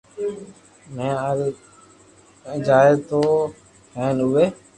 ۾ آوي جائي ھي ھين اووي